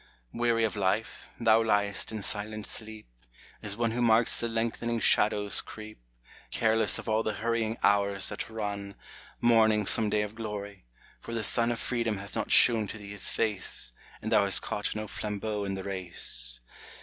Weary of life, thou liest in silent sleep, As one who marks the lengthening shadows creep, Careless of all the hurrying hours that run, Mourning some day of glory, for the sun Of Freedom hath not shewn to thee his face, And thou hast caught no flambeau in the race.